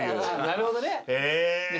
なるほどね。